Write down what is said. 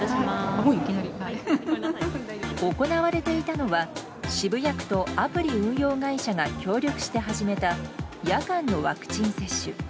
行われていたのは渋谷区とアプリ運用会社が協力して始めた夜間のワクチン接種。